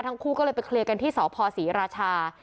ทั้งคู่ก็เลยไปเคลียร์กันที่สพศรีราชา